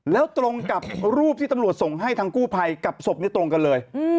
แล้วตรงกับรูปที่ตำรวจส่งให้ทางกู้ภัยกับศพนี้ตรงกันเลย